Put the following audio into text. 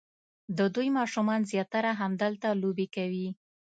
د دوی ماشومان زیاتره همدلته لوبې کوي.